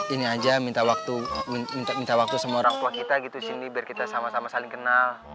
ini aja minta waktu minta waktu sama orang tua kita gitu sini biar kita sama sama saling kenal